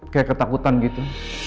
kayak ketakutan gitu